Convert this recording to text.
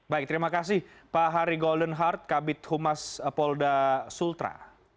baik terima kasih pak hari goldenheart kabit humas polda sutra